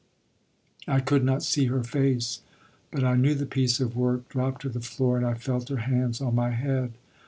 I could not see her face, but I knew the piece of work dropped to the floor and I felt her hands on my head.